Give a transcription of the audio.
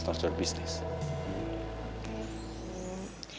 itu bukan bisnismu